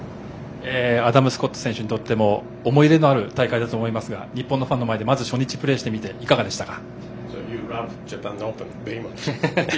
アダム・スコット選手にとっても思い出のある大会だと思いますが日本のファンの前で初日プレーしてみていかがでしたか？